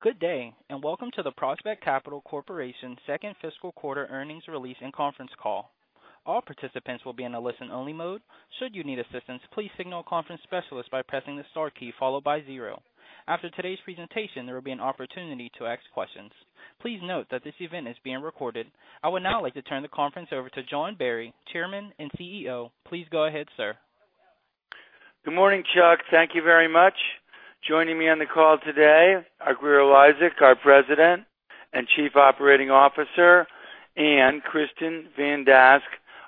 Good day, and welcome to the Prospect Capital Corporation second fiscal quarter earnings release and conference call. All participants will be in a listen-only mode. Should you need assistance, please signal a conference specialist by pressing the star key followed by zero. After today's presentation, there will be an opportunity to ask questions. Please note that this event is being recorded. I would now like to turn the conference over to John Barry, Chairman and Chief Executive Officer. Please go ahead, sir. Good morning, Chuck. Thank you very much. Joining me on the call today are Grier Eliasek, our President and Chief Operating Officer, and Kristin Van Dask,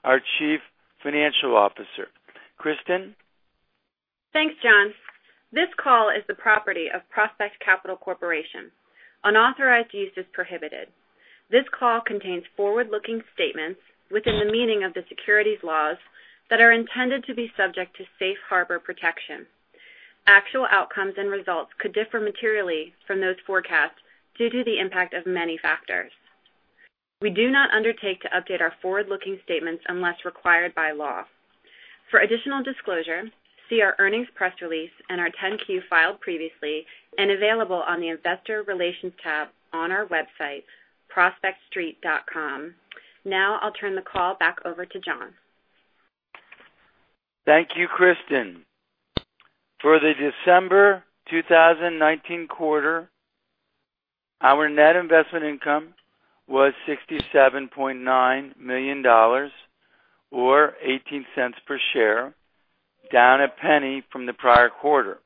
our Chief Financial Officer. Kristin? Thanks, John. This call is the property of Prospect Capital Corporation. Unauthorized use is prohibited. This call contains forward-looking statements within the meaning of the securities laws that are intended to be subject to Safe Harbor protection. Actual outcomes and results could differ materially from those forecasts due to the impact of many factors. We do not undertake to update our forward-looking statements unless required by law. For additional disclosure, see our earnings press release and our 10-Q filed previously and available on the investor relations tab on our website, prospectstreet.com. Now, I'll turn the call back over to John. Thank you, Kristin. For the December 2019 quarter, our net investment income was $67.9 million or $0.18 per share, down $0.01 from the prior quarter.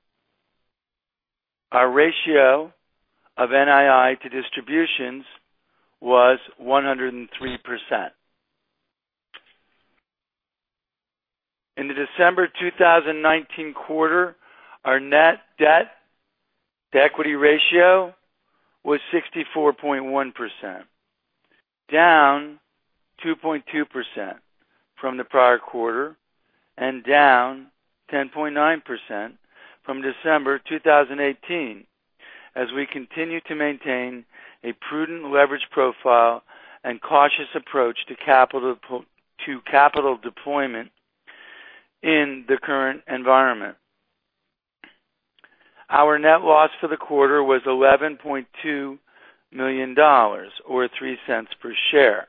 Our ratio of NII to distributions was 103%. In the December 2019 quarter, our net debt to equity ratio was 64.1%, down 2.2% from the prior quarter and down 10.9% from December 2018, as we continue to maintain a prudent leverage profile and cautious approach to capital deployment in the current environment. Our net loss for the quarter was $11.2 million, or $0.03 per share.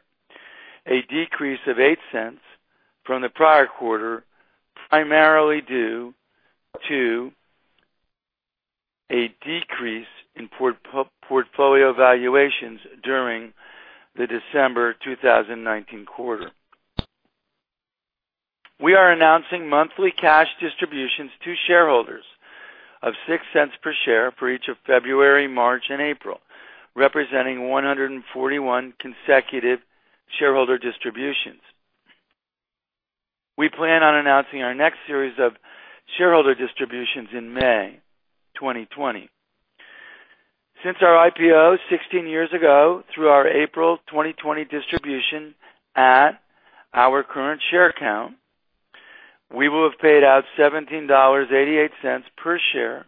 A decrease of $0.08 from the prior quarter, primarily due to a decrease in portfolio valuations during the December 2019 quarter. We are announcing monthly cash distributions to shareholders of $0.06 per share for each of February, March, and April, representing 141 consecutive shareholder distributions. We plan on announcing our next series of shareholder distributions in May 2020. Since our IPO 16 years ago through our April 2020 distribution at our current share count, we will have paid out $17.88 per share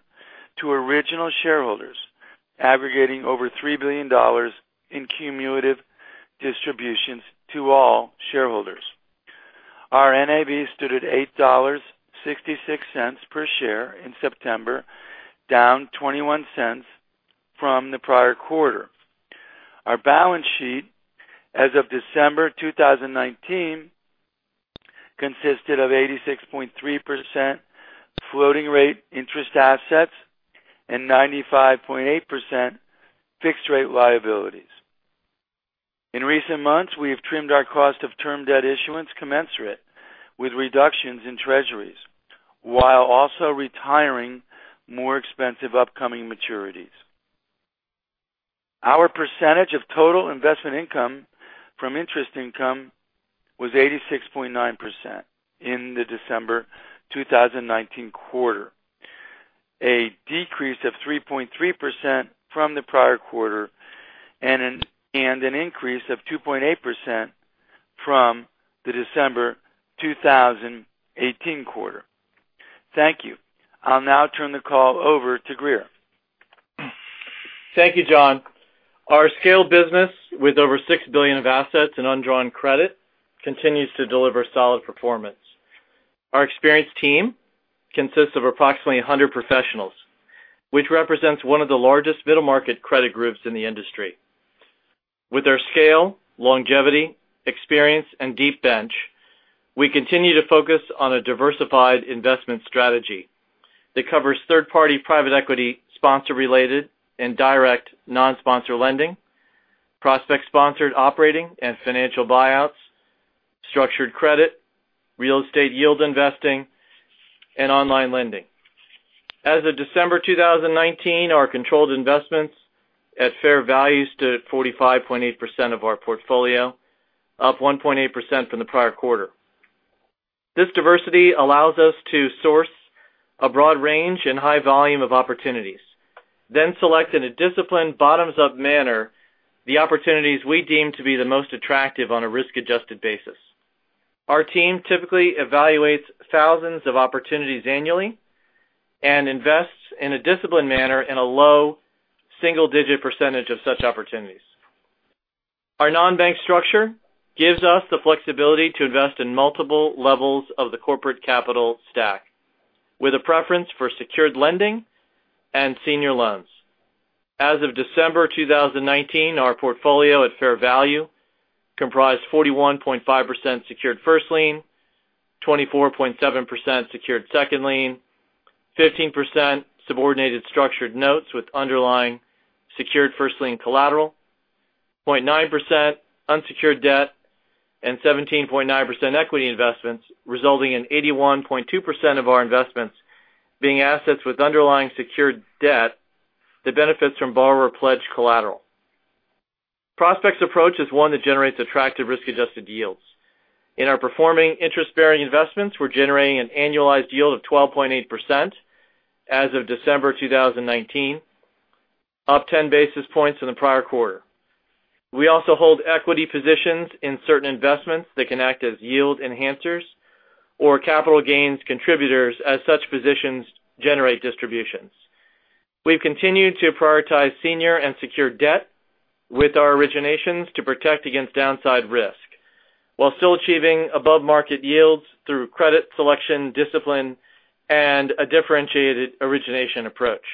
to original shareholders, aggregating over $3 billion in cumulative distributions to all shareholders. Our NAV stood at $8.66 per share in September, down $0.21 from the prior quarter. Our balance sheet as of December 2019 consisted of 86.3% floating rate interest assets and 95.8% fixed rate liabilities. In recent months, we have trimmed our cost of term debt issuance commensurate with reductions in treasuries, while also retiring more expensive upcoming maturities. Our percentage of total investment income from interest income was 86.9% in the December 2019 quarter. A decrease of 3.3% from the prior quarter and an increase of 2.8% from the December 2018 quarter. Thank you. I'll now turn the call over to Grier. Thank you, John. Our scale business with over $6 billion of assets in undrawn credit continues to deliver solid performance. Our experienced team consists of approximately 100 professionals, which represents one of the largest middle-market credit groups in the industry. With our scale, longevity, experience, and deep bench, we continue to focus on a diversified investment strategy that covers third-party private equity sponsor-related and direct non-sponsor lending, Prospect-sponsored operating and financial buyouts, structured credit, real estate yield investing, and online lending. As of December 2019, our controlled investments at fair value stood at 45.8% of our portfolio, up 1.8% from the prior quarter. This diversity allows us to source a broad range and high volume of opportunities, then select in a disciplined, bottoms-up manner the opportunities we deem to be the most attractive on a risk-adjusted basis. Our team typically evaluates thousands of opportunities annually and invests in a disciplined manner in a low single-digit percentage of such opportunities. Our non-bank structure gives us the flexibility to invest in multiple levels of the corporate capital stack with a preference for secured lending and senior loans. As of December 2019, our portfolio at fair value comprised 41.5% secured first lien, 24.7% secured second lien, 15% subordinated structured notes with underlying secured first lien collateral, 0.9% unsecured debt, and 17.9% equity investments, resulting in 81.2% of our investments being assets with underlying secured debt that benefits from borrower pledge collateral. Prospect's approach is one that generates attractive risk-adjusted yields. In our performing interest-bearing investments, we're generating an annualized yield of 12.8% as of December 2019. Up 10 basis points in the prior quarter. We also hold equity positions in certain investments that can act as yield enhancers or capital gains contributors as such positions generate distributions. We've continued to prioritize senior and secured debt with our originations to protect against downside risk while still achieving above-market yields through credit selection discipline and a differentiated origination approach.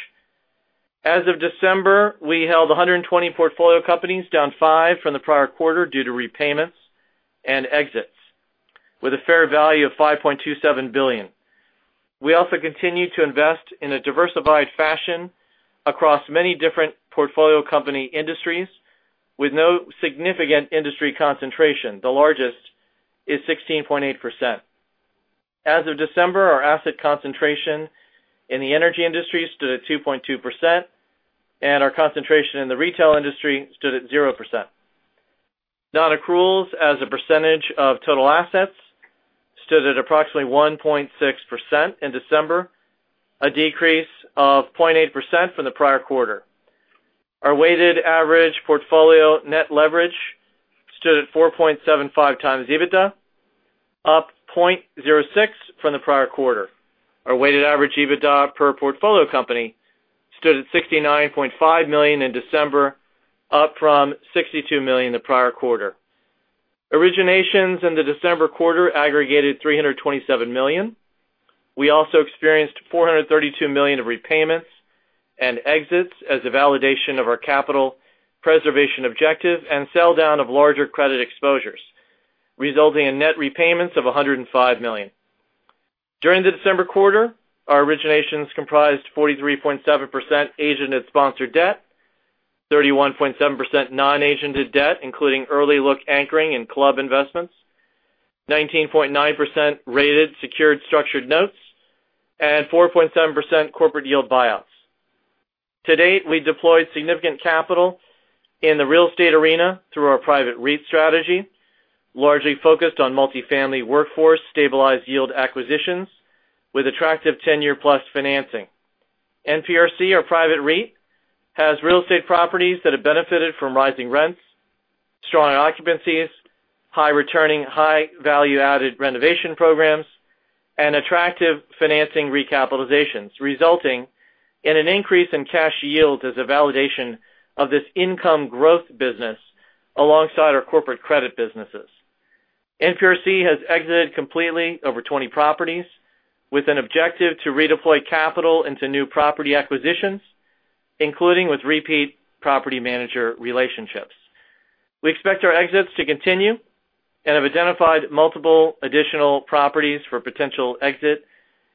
As of December, we held 120 portfolio companies, down five from the prior quarter due to repayments and exits with a fair value of $5.27 billion. We also continue to invest in a diversified fashion across many different portfolio company industries with no significant industry concentration. The largest is 16.8%. As of December, our asset concentration in the energy industry stood at 2.2%, and our concentration in the retail industry stood at 0%. Non-accruals as a percentage of total assets stood at approximately 1.6% in December, a decrease of 0.8% from the prior quarter. Our weighted average portfolio net leverage stood at 4.75x EBITDA, up 0.06 from the prior quarter. Our weighted average EBITDA per portfolio company stood at $69.5 million in December, up from $62 million the prior quarter. Originations in the December quarter aggregated $327 million. We also experienced $432 million of repayments and exits as a validation of our capital preservation objective and sell-down of larger credit exposures, resulting in net repayments of $105 million. During the December quarter, our originations comprised 43.7% agent and sponsored debt, 31.7% non-agented debt, including early look anchoring and club investments, 19.9% rated secured structured notes, and 4.7% corporate yield buyouts. To date, we deployed significant capital in the real estate arena through our private REIT strategy, largely focused on multifamily workforce stabilized yield acquisitions with attractive 10+ year financing. NPRC, our private REIT, has real estate properties that have benefited from rising rents, strong occupancies, high returning, high value-added renovation programs, and attractive financing recapitalizations, resulting in an increase in cash yield as a validation of this income growth business alongside our corporate credit businesses. NPRC has exited completely over 20 properties with an objective to redeploy capital into new property acquisitions, including with repeat property manager relationships. We expect our exits to continue and have identified multiple additional properties for potential exit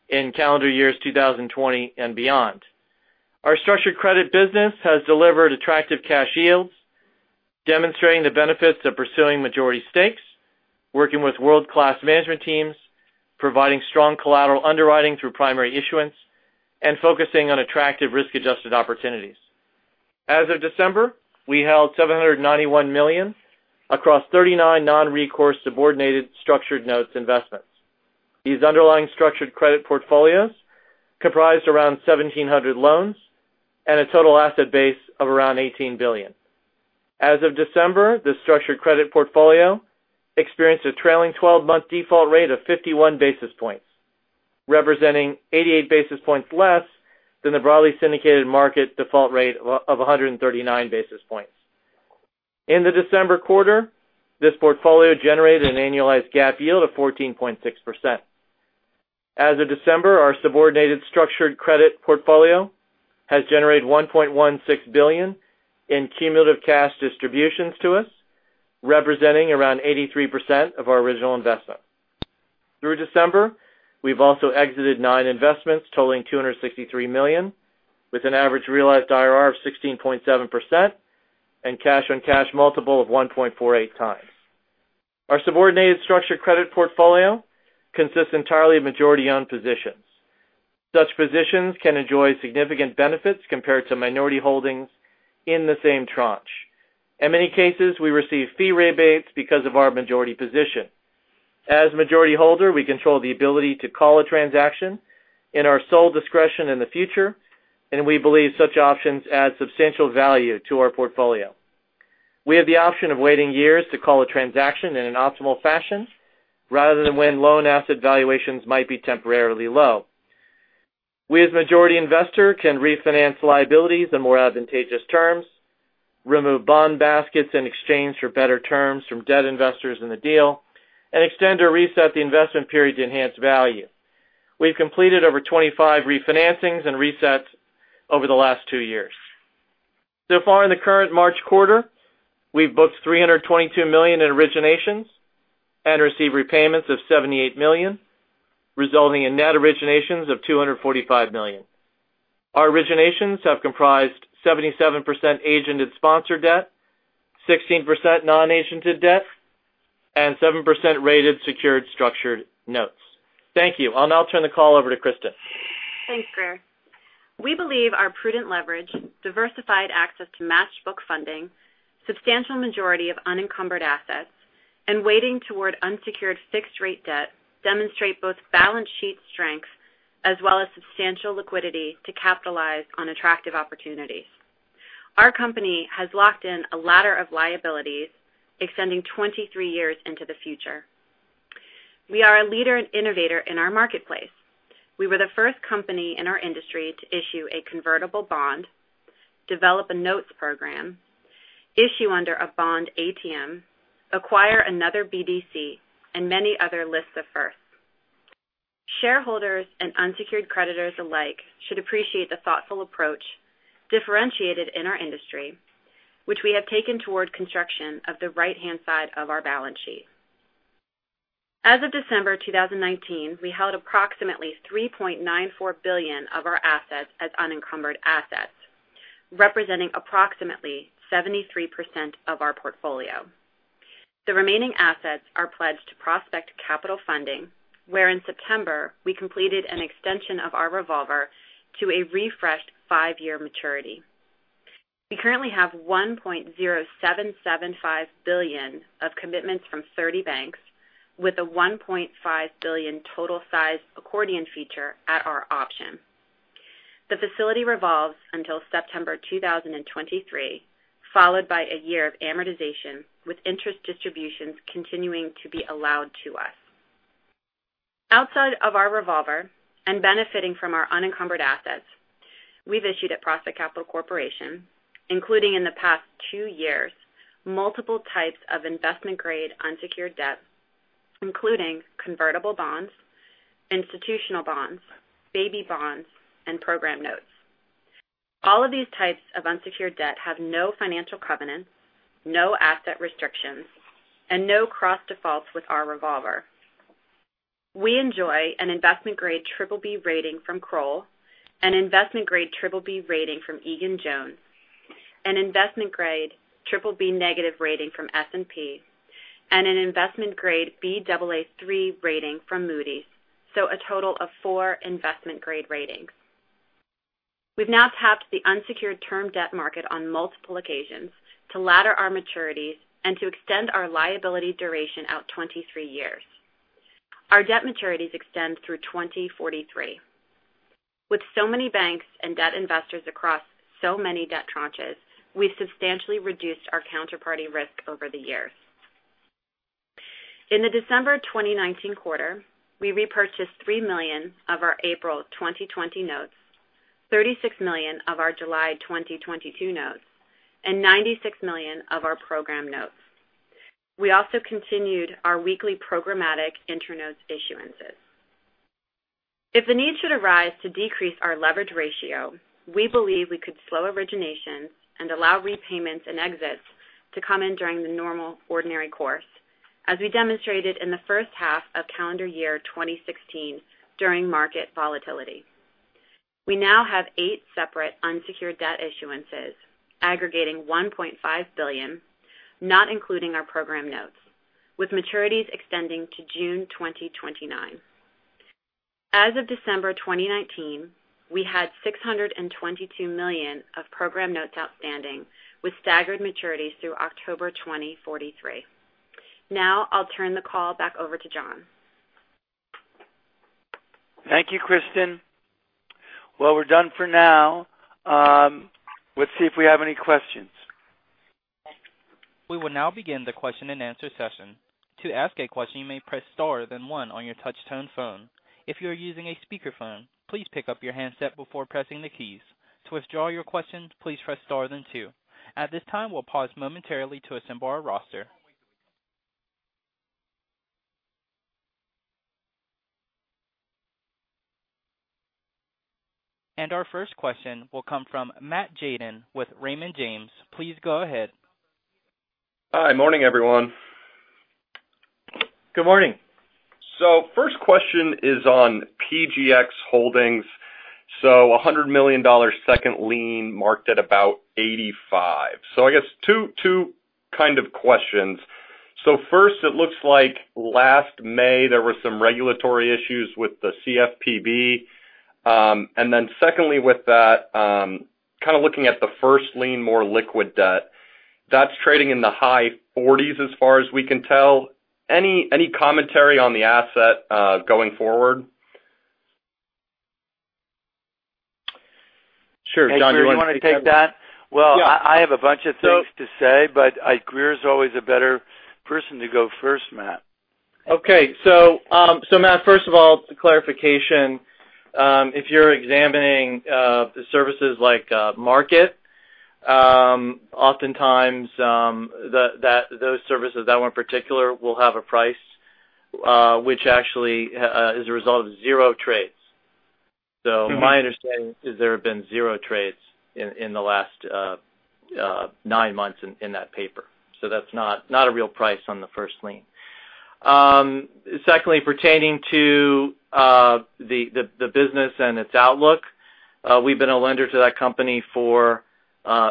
in calendar years 2020 and beyond. Our structured credit business has delivered attractive cash yields, demonstrating the benefits of pursuing majority stakes, working with world-class management teams, providing strong collateral underwriting through primary issuance, and focusing on attractive risk-adjusted opportunities. As of December, we held $791 million across 39 non-recourse subordinated structured notes investments. These underlying structured credit portfolios comprised around 1,700 loans and a total asset base of around $18 billion. As of December, the structured credit portfolio experienced a trailing 12-month default rate of 51 basis points, representing 88 basis points less than the broadly syndicated market default rate of 139 basis points. In the December quarter, this portfolio generated an annualized GAAP yield of 14.6%. As of December, our subordinated structured credit portfolio has generated $1.16 billion in cumulative cash distributions to us, representing around 83% of our original investment. Through December, we've also exited nine investments totaling $263 million, with an average realized IRR of 16.7% and cash-on-cash multiple of 1.48x. Our subordinated structured credit portfolio consists entirely of majority-owned positions. Such positions can enjoy significant benefits compared to minority holdings in the same tranche. In many cases, we receive fee rebates because of our majority position. As majority holder, we control the ability to call a transaction in our sole discretion in the future, and we believe such options add substantial value to our portfolio. We have the option of waiting years to call a transaction in an optimal fashion rather than when loan asset valuations might be temporarily low. We as majority investor can refinance liabilities on more advantageous terms, remove bond baskets in exchange for better terms from debt investors in the deal, and extend or reset the investment period to enhance value. We've completed over 25 refinancings and resets over the last two years. Far in the current March quarter, we've booked $322 million in originations and received repayments of $78 million, resulting in net originations of $245 million. Our originations have comprised 77% agented sponsored debt, 16% non-agented debt, and 7% rated secured structured notes. Thank you. I'll now turn the call over to Kristin. Thanks, Grier. We believe our prudent leverage, diversified access to match book funding, substantial majority of unencumbered assets, and weighting toward unsecured fixed-rate debt demonstrate both balance sheet strength as well as substantial liquidity to capitalize on attractive opportunities. Our company has locked in a ladder of liabilities extending 23 years into the future. We are a leader and innovator in our marketplace. We were the first company in our industry to issue a convertible bond, develop a notes program, issue under a bond ATM, acquire another BDC, and many other lists of firsts. Shareholders and unsecured creditors alike should appreciate the thoughtful approach, differentiated in our industry, which we have taken toward construction of the right-hand side of our balance sheet. As of December 2019, we held approximately $3.94 billion of our assets as unencumbered assets, representing approximately 73% of our portfolio. The remaining assets are pledged to Prospect Capital Funding, where in September, we completed an extension of our revolver to a refreshed five-year maturity. We currently have $1.0775 billion of commitments from 30 banks with a $1.5 billion total size accordion feature at our option. The facility revolves until September 2023, followed by a year of amortization, with interest distributions continuing to be allowed to us. Outside of our revolver and benefiting from our unencumbered assets, we've issued at Prospect Capital Corporation, including in the past two years, multiple types of investment-grade unsecured debt, including convertible bonds, institutional bonds, baby bonds, and program notes. All of these types of unsecured debt have no financial covenants, no asset restrictions, and no cross defaults with our revolver. We enjoy an investment-grade BBB rating from Kroll, an investment-grade BBB rating from Egan-Jones, an investment-grade BBB negative rating from S&P, and an investment-grade Ba3 rating from Moody's. A total of four investment-grade ratings. We've now tapped the unsecured term debt market on multiple occasions to ladder our maturities and to extend our liability duration out 23 years. Our debt maturities extend through 2043. With so many banks and debt investors across so many debt tranches, we've substantially reduced our counterparty risk over the years. In the December 2019 quarter, we repurchased $3 million of our April 2020 notes, $36 million of our July 2022 notes, and $96 million of our program notes. We also continued our weekly programmatic InterNotes issuances. If the need should arise to decrease our leverage ratio, we believe we could slow originations and allow repayments and exits to come in during the normal ordinary course, as we demonstrated in the first half of calendar year 2016 during market volatility. We now have eight separate unsecured debt issuances aggregating $1.5 billion, not including our program notes, with maturities extending to June 2029. As of December 2019, we had $622 million of program notes outstanding, with staggered maturities through October 2043. Now, I'll turn the call back over to John. Thank you, Kristin. Well, we're done for now. Let's see if we have any questions. We will now begin the question and answer session. To ask a question, you may press star then one on your touch-tone phone. If you are using a speakerphone, please pick up your handset before pressing the keys. To withdraw your question, please press star then two. At this time, we'll pause momentarily to assemble our roster. Our first question will come from Matt Tjaden with Raymond James. Please go ahead. Hi. Morning, everyone. Good morning. First question is on PGX Holdings. $100 million second lien marked at about 85. I guess two kind of questions. First, it looks like last May, there were some regulatory issues with the CFPB. Secondly, with that, kind of looking at the first lien more liquid debt, that's trading in the high $40s as far as we can tell. Any commentary on the asset going forward? Sure. John, do you want to take that? Well, I have a bunch of things to say, but Grier's always a better person to go first, Matt. Okay. Matt, first of all, clarification. If you're examining services like Markit, oftentimes those services, that one in particular, will have a price, which actually is a result of zero trades. My understanding is there have been zero trades in the last nine months in that paper. That's not a real price on the first lien. Secondly, pertaining to the business and its outlook, we've been a lender to that company for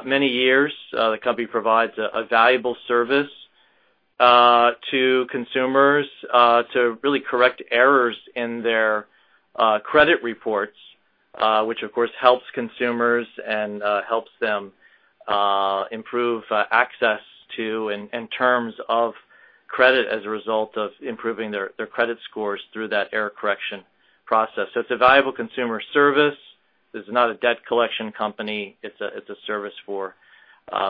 many years. The company provides a valuable service to consumers to really correct errors in their credit reports, which of course helps consumers and helps them improve access to and terms of credit as a result of improving their credit scores through that error correction process. It's a valuable consumer service. This is not a debt collection company. It's a service for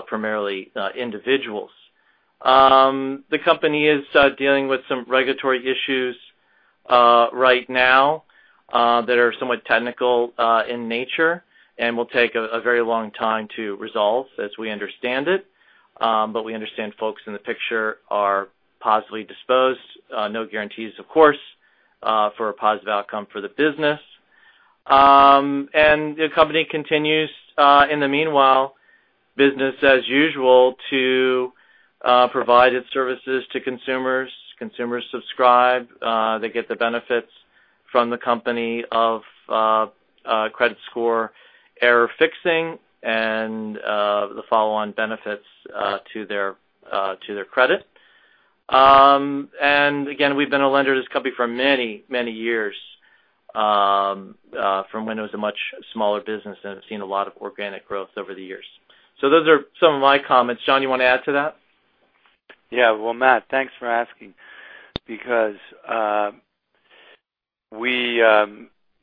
primarily individuals. The company is dealing with some regulatory issues right now that are somewhat technical in nature and will take a very long time to resolve, as we understand it. We understand folks in the picture are positively disposed. No guarantees, of course, for a positive outcome for the business. The company continues, in the meanwhile, business as usual to provide its services to consumers. Consumers subscribe. They get the benefits from the company of credit score error fixing and the follow-on benefits to their credit. Again, we've been a lender to this company for many, many years, from when it was a much smaller business and has seen a lot of organic growth over the years. Those are some of my comments. John, you want to add to that? Well, Matt, thanks for asking because the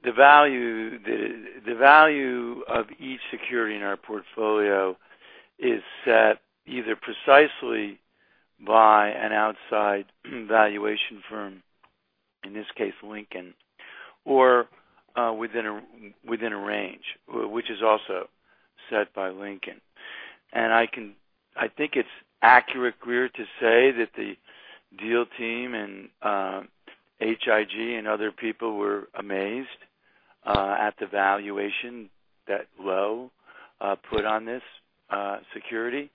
value of each security in our portfolio is set either precisely by an outside valuation firm, in this case Lincoln, or within a range, which is also set by Lincoln. I think it's accurate, Grier, to say that the deal team and H.I.G. and other people were amazed at the valuation that Lincoln put on this security.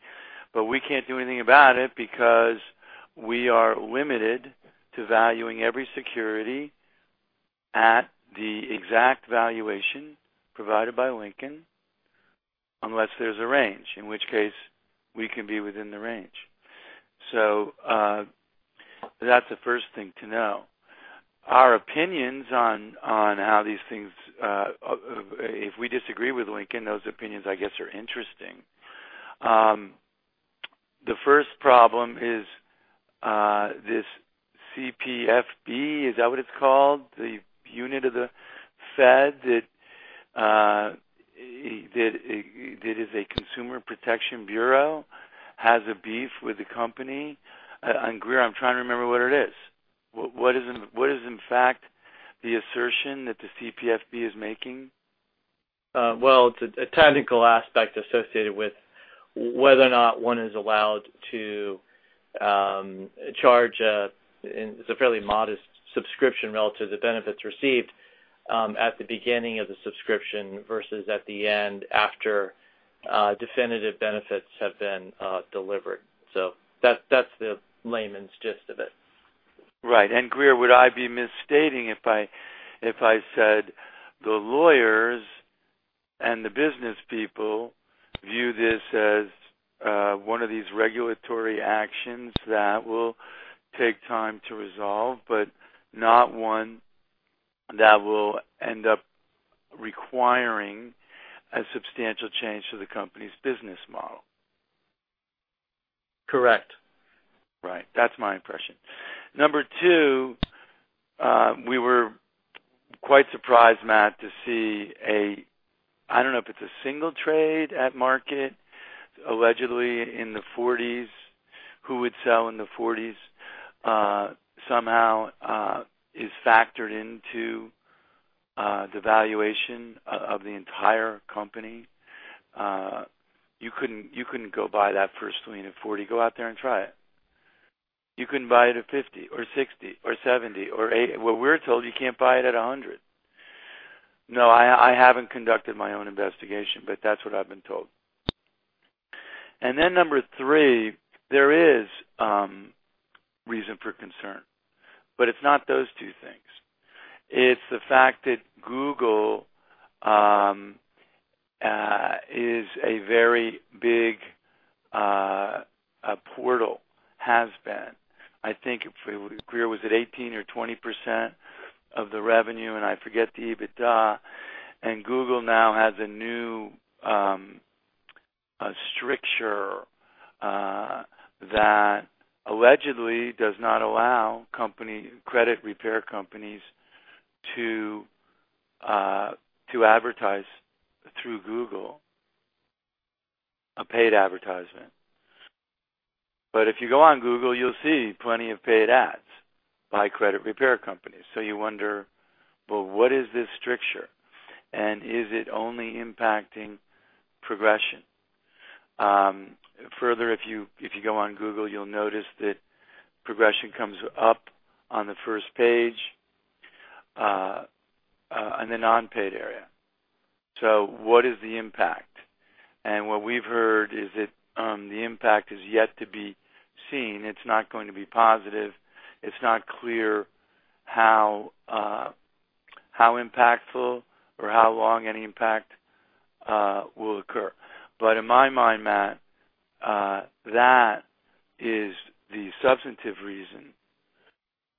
We can't do anything about it because we are limited to valuing every security at the exact valuation provided by Lincoln, unless there's a range, in which case we can be within the range. That's the first thing to know. Our opinions on how these things, if we disagree with Lincoln, those opinions, I guess, are interesting. The first problem is this CFPB. Is that what it's called? The unit of the Fed that is a Consumer Protection Bureau, has a beef with the company. Grier, I'm trying to remember what it is. What is in fact the assertion that the CFPB is making? It's a technical aspect associated with whether or not one is allowed to charge a fairly modest subscription relative to benefits received at the beginning of the subscription versus at the end after definitive benefits have been delivered. That's the layman's gist of it. Right. Grier, would I be misstating if I said the lawyers and the business people view this as one of these regulatory actions that will take time to resolve, but not one that will end up requiring a substantial change to the company's business model? Correct. Right. That's my impression. Number two, we were quite surprised, Matt, to see a, I don't know if it's a single trade at market, allegedly in the $40s. Who would sell in the $40s somehow is factored into the valuation of the entire company. You couldn't go buy that first lien at $40. Go out there and try it. You couldn't buy it at $50 or $60 or $70 or $80. What we're told, you can't buy it at $100. I haven't conducted my own investigation, but that's what I've been told. Number three, there is reason for concern, but it's not those two things. It's the fact that Google is a very big portal, has been. I think, Grier, was it 18% or 20% of the revenue? I forget the EBITDA. Google now has a new stricture that allegedly does not allow credit repair companies to advertise through Google, a paid advertisement. If you go on Google, you'll see plenty of paid ads by credit repair companies. You wonder, well, what is this stricture? Is it only impacting Progrexion? Further, if you go on Google, you'll notice that Progrexion comes up on the first page, in the non-paid area. What is the impact? What we've heard is that the impact is yet to be seen. It's not going to be positive. It's not clear how impactful or how long any impact will occur. In my mind, Matt, that is the substantive reason.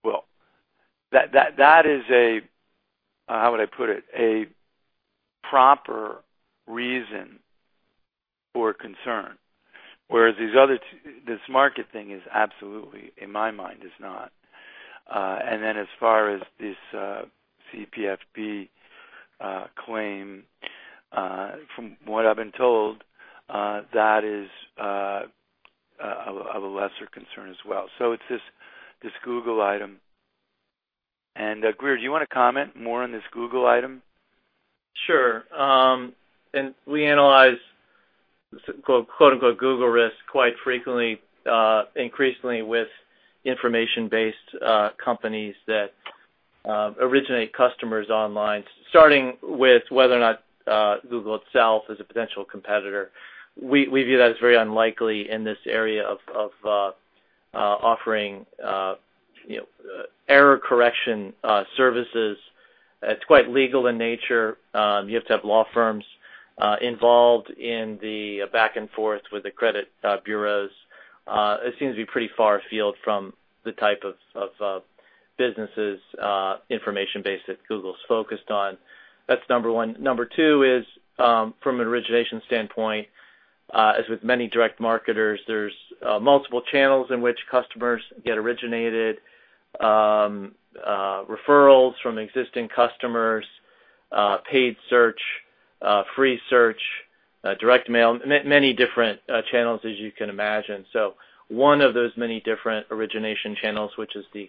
Well, that is a, how would I put it, a proper reason for concern. Whereas this market thing is absolutely, in my mind, is not. Then as far as this CFPB claim, from what I've been told, that is of a lesser concern as well. It's this Google item. Grier, do you want to comment more on this Google item? Sure. We analyze Google risk quite frequently, increasingly with information-based companies that originate customers online, starting with whether or not Google itself is a potential competitor. We view that as very unlikely in this area of offering error correction services. It's quite legal in nature. You have to have law firms involved in the back and forth with the credit bureaus. It seems to be pretty far field from the type of businesses information-based that Google's focused on. That's number one. Number two is, from an origination standpoint, as with many direct marketers, there's multiple channels in which customers get originated. Referrals from existing customers, paid search, free search, direct mail, many different channels, as you can imagine. One of those many different origination channels, which is the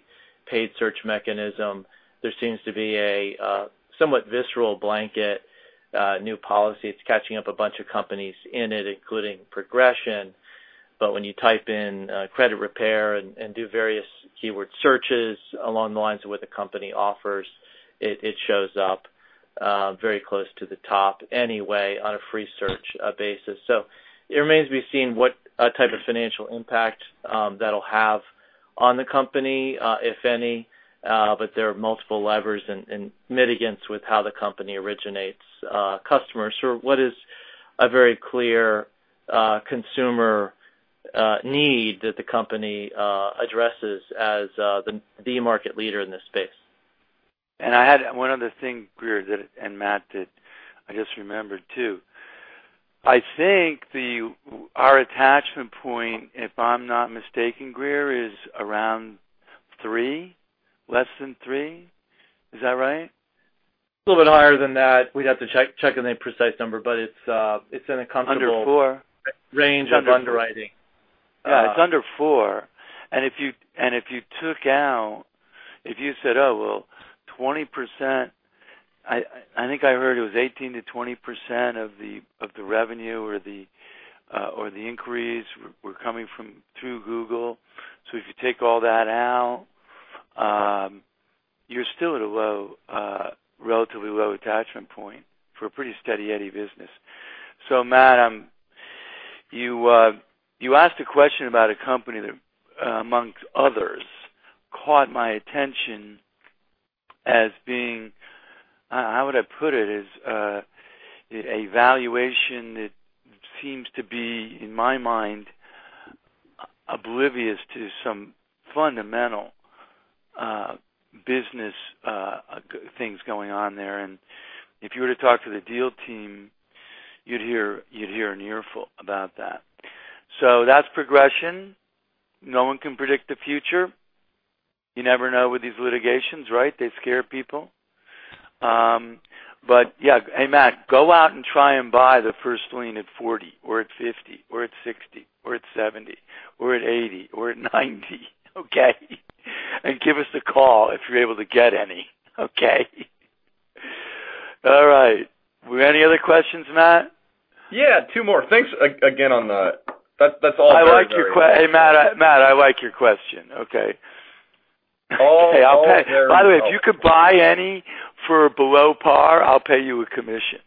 paid search mechanism, there seems to be a somewhat visceral blanket, new policy. It's catching up a bunch of companies in it, including Progrexion. When you type in credit repair and do various keyword searches along the lines of what the company offers, it shows up very close to the top anyway on a free search basis. It remains to be seen what type of financial impact that'll have on the company, if any, but there are multiple levers and mitigants with how the company originates customers through what is a very clear consumer need that the company addresses as the market leader in this space. I had one other thing, Grier, and Matt, that I just remembered too. I think our attachment point, if I'm not mistaken, Grier, is around three, less than three. Is that right? A little bit higher than that. We'd have to check on the precise number, but it's in a comfortable- Under four. Range of underwriting. Yeah, it's under four. If you took out, if you said, oh, well, 20%, I think I heard it was 18%-20% of the revenue or the inquiries were coming through Google. If you take all that out, you're still at a relatively low attachment point for a pretty steady Eddie business. Matt, you asked a question about a company that, amongst others, caught my attention as being, how would I put it, a valuation that seems to be, in my mind, oblivious to some fundamental business things going on there. If you were to talk to the deal team, you'd hear an earful about that. That's Progrexion. No one can predict the future. You never know with these litigations, right? They scare people. Yeah. Hey, Matt, go out and try and buy the first lien at $40 or at $50 or at $60 or at $70 or at $80 or at $90, okay? Give us a call if you're able to get any, okay? All right. Any other questions, Matt? Yeah, two more. Thanks again on that. Hey, Matt, I like your question, okay. All very helpful. By the way, if you could buy any for below par, I'll pay you a commission.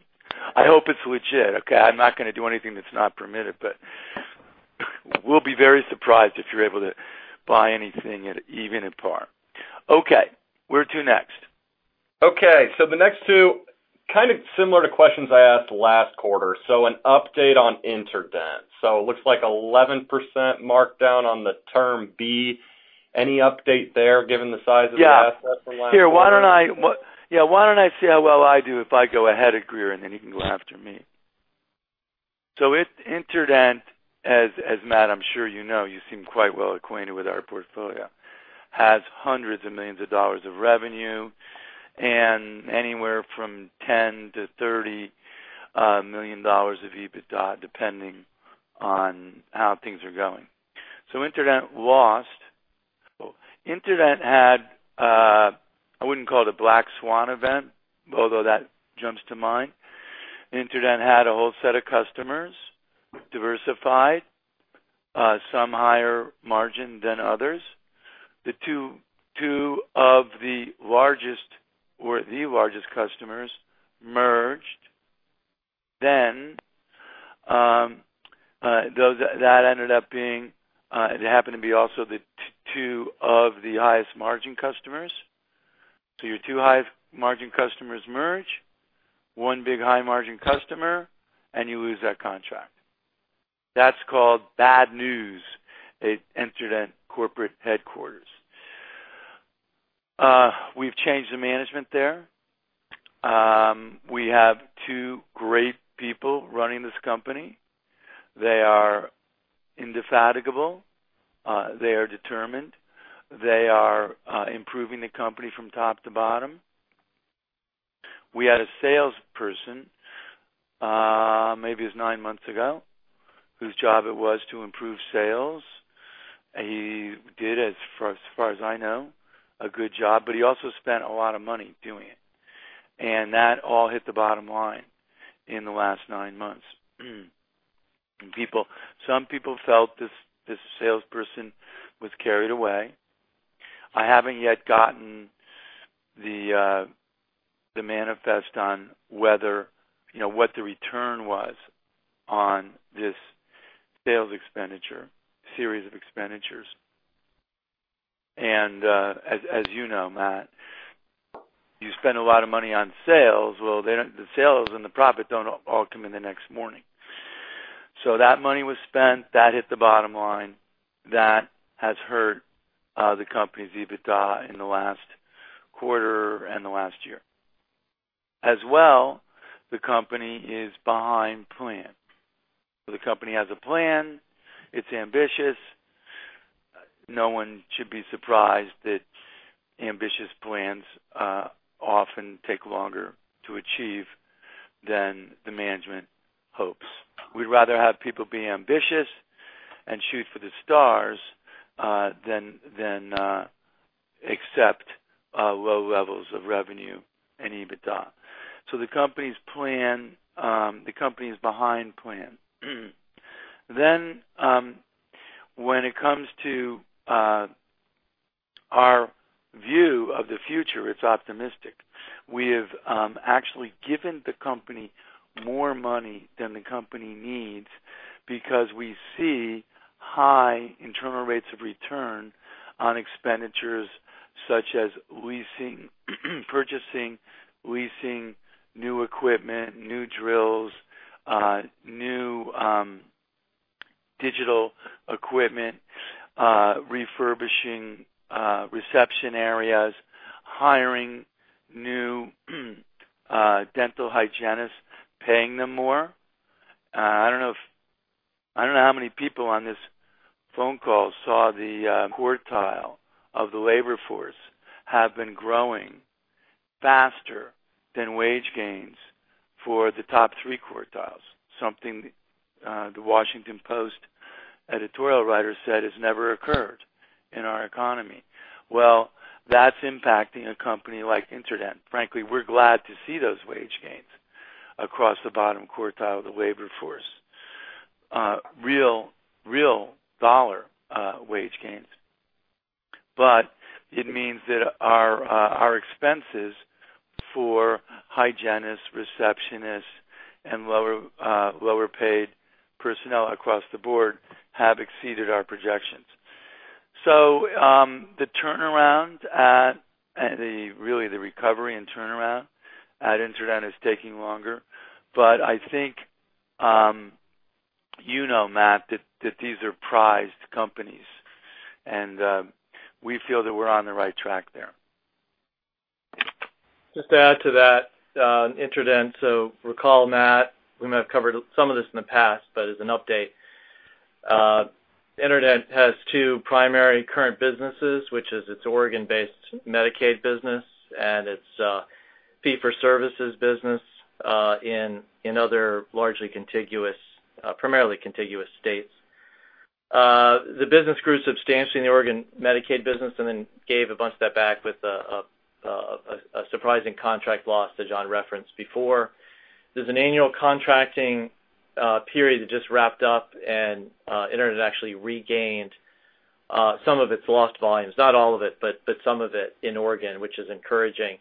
I hope it's legit, okay? I'm not going to do anything that's not permitted, but we'll be very surprised if you're able to buy anything at even at par. Okay. Where to next? Okay. The next two, kind of similar to questions I asked last quarter. An update on InterDent. It looks like 11% markdown on the term B. Any update there given the size of the asset from last quarter? Yeah. Why don't I see how well I do if I go ahead of Grier, and then you can go after me. InterDent, as Matt, I'm sure you know, you seem quite well acquainted with our portfolio, has hundreds of millions of dollars of revenue and anywhere from $10 million-$30 million of EBITDA, depending on how things are going. InterDent had, I wouldn't call it a black swan event, although that jumps to mind. InterDent had a whole set of customers, diversified, some higher margin than others. The two of the largest, or the largest customers merged. That happened to be also the two of the highest margin customers. Your two high margin customers merge, one big high margin customer, and you lose that contract. That's called bad news at InterDent corporate headquarters. We've changed the management there. We have two great people running this company. They are indefatigable. They are determined. They are improving the company from top to bottom. We had a salesperson, maybe it was nine months ago, whose job it was to improve sales. He did, as far as I know, a good job, but he also spent a lot of money doing it. That all hit the bottom line in the last nine months. Some people felt this salesperson was carried away. I haven't yet gotten the manifest on what the return was on this sales expenditure, series of expenditures. As you know, Matt, you spend a lot of money on sales, well, the sales and the profit don't all come in the next morning. That money was spent. That hit the bottom line. That has hurt the company's EBITDA in the last quarter and the last year. The company is behind plan. The company has a plan. It's ambitious. No one should be surprised that ambitious plans often take longer to achieve than the management hopes. We'd rather have people be ambitious and shoot for the stars than accept low levels of revenue and EBITDA. The company is behind plan. When it comes to our view of the future, it's optimistic. We have actually given the company more money than the company needs because we see high internal rates of return on expenditures such as purchasing, leasing new equipment, new drills, new digital equipment, refurbishing reception areas, hiring new dental hygienists, paying them more. I don't know how many people on this phone call saw the quartile of the labor force have been growing faster than wage gains for the top three quartiles. Something The Washington Post editorial writer said has never occurred in our economy. That's impacting a company like InterDent. Frankly, we're glad to see those wage gains across the bottom quartile of the labor force. Real dollar wage gains. It means that our expenses for hygienists, receptionists, and lower paid personnel across the board have exceeded our projections. The recovery and turnaround at InterDent is taking longer. I think you know, Matt, that these are prized companies, and we feel that we're on the right track there. Just to add to that, InterDent, so recall, Matt, we might have covered some of this in the past, but as an update, InterDent has two primary current businesses, which is its Oregon-based Medicaid business and its fee-for-services business in other primarily contiguous states. The business grew substantially in the Oregon Medicaid business and then gave a bunch of that back with a surprising contract loss that John referenced before. There's an annual contracting period that just wrapped up, and InterDent actually regained some of its lost volumes, not all of it, but some of it in Oregon, which is encouraging,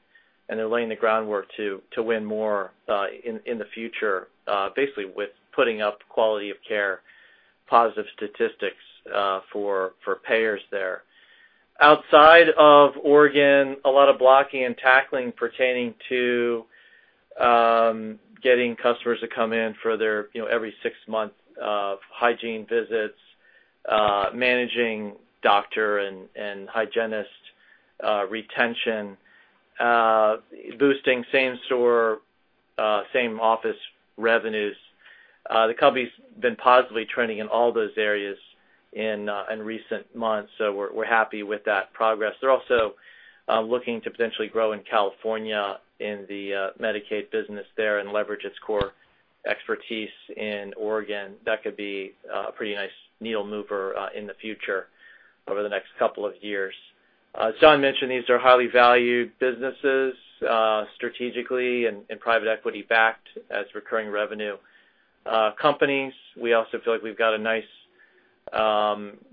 and they're laying the groundwork to win more in the future basically with putting up quality of care positive statistics for payers there. Outside of Oregon, a lot of blocking and tackling pertaining to getting customers to come in for their every six-month hygiene visits, managing doctor and hygienist retention, boosting same store, same office revenues. The company's been positively trending in all those areas in recent months. We're happy with that progress. They're also looking to potentially grow in California in the Medicaid business there and leverage its core expertise in Oregon. That could be a pretty nice needle mover in the future over the next couple of years. As John mentioned, these are highly valued businesses strategically and private equity backed as recurring revenue companies. We also feel like we've got a nice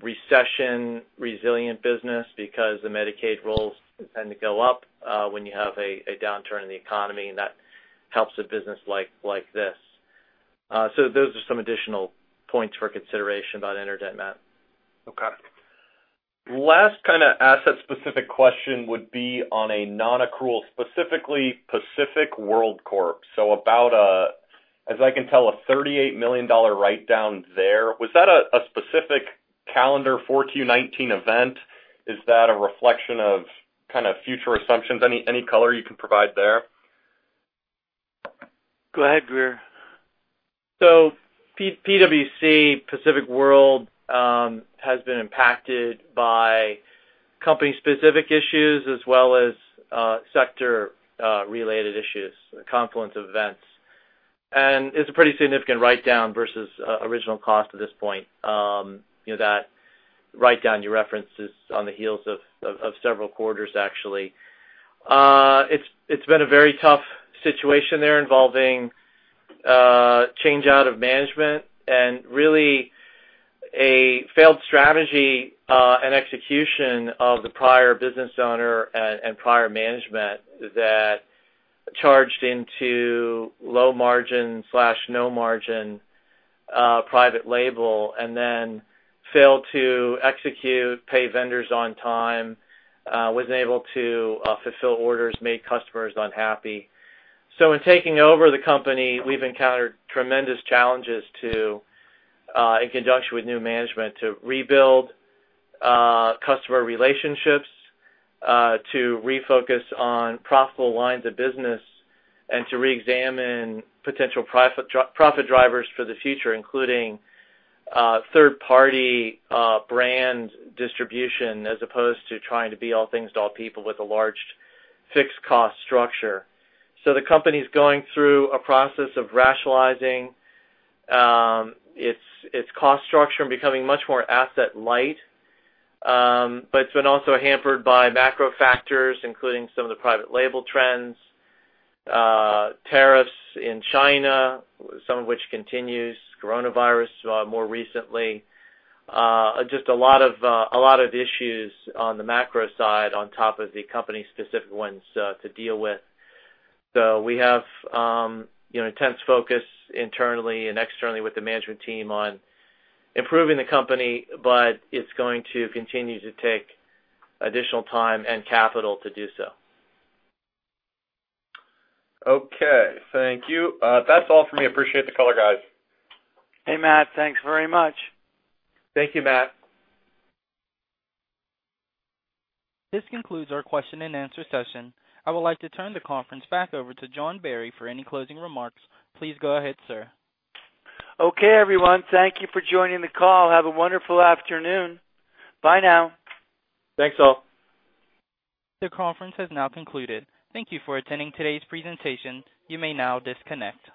recession resilient business because the Medicaid rolls tend to go up when you have a downturn in the economy, and that helps a business like this. Those are some additional points for consideration about InterDent, Matt. Okay. Last kind of asset specific question would be on a non-accrual, specifically Pacific World Corporation. About, as I can tell, a $38 million write-down there. Was that a specific calendar 4Q 2019 event? Is that a reflection of kind of future assumptions? Any color you can provide there? Go ahead, Grier. PwC, Pacific World, has been impacted by company specific issues as well as sector related issues, a confluence of events. It's a pretty significant write-down versus original cost at this point. That write-down you reference is on the heels of several quarters, actually. It's been a very tough situation there involving change out of management and really a failed strategy and execution of the prior business owner and prior management that charged into low margin/no margin private label and then failed to execute, pay vendors on time, wasn't able to fulfill orders, made customers unhappy. In taking over the company, we've encountered tremendous challenges to, in conjunction with new management, to rebuild customer relationships, to refocus on profitable lines of business, and to reexamine potential profit drivers for the future, including third party brand distribution, as opposed to trying to be all things to all people with a large fixed cost structure. The company's going through a process of rationalizing its cost structure and becoming much more asset light. It's been also hampered by macro factors, including some of the private label trends, tariffs in China, some of which continues, coronavirus more recently. Just a lot of issues on the macro side on top of the company specific ones to deal with. We have intense focus internally and externally with the management team on improving the company, but it's going to continue to take additional time and capital to do so. Okay. Thank you. That's all for me. Appreciate the color, guys. Hey, Matt. Thanks very much. Thank you, Matt. This concludes our question and answer session. I would like to turn the conference back over to John Barry for any closing remarks. Please go ahead, sir. Okay, everyone. Thank you for joining the call. Have a wonderful afternoon. Bye now. Thanks, all. The conference has now concluded. Thank you for attending today's presentation. You may now disconnect.